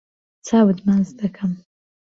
چاوت ماچ دەکەم.